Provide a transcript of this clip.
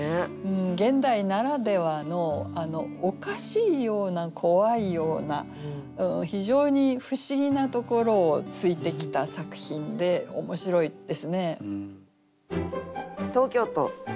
現代ならではのおかしいような怖いような非常に不思議なところを突いてきた作品で面白いですね。